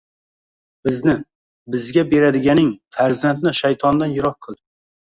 Bizni, bizga beradiganing farzandni shaytondan yiroq qil.